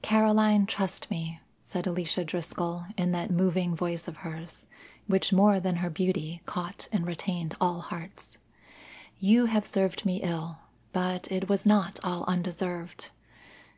"Caroline, trust me," said Alicia Driscoll in that moving voice of hers, which more than her beauty caught and retained all hearts. "You have served me ill, but it was not all undeserved.